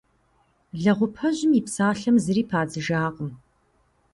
Лэгъупэжьым и псалъэм зыри падзыжакъым.